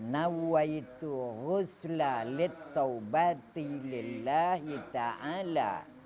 nauwaitu rusla lit taubati lillahi ta'ala